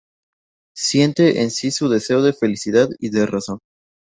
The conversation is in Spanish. Siente en sí su deseo de felicidad y de razón.